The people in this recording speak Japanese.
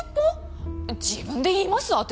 自分で言います？